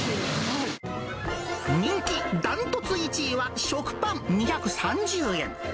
人気ダントツ１位は食パン２３０円。